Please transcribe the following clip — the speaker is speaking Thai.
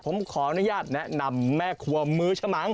ผมขออนุญาตแนะนำแม่ครัวมือฉมัง